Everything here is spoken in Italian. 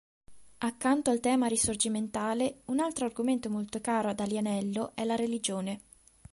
Accanto al tema risorgimentale, un altro argomento molto caro ad Alianello è la religione.